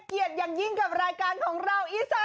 ตอนรังเทิงพวกเราฆ่าแรงเข้าไปสุดท้าย